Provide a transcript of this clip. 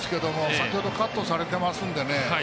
先ほど、カットされてますんでね